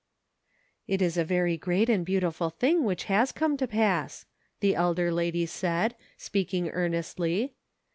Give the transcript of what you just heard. " It is a very great and beautiful thing which has come to pass," the elder lady said, speaking earnestly.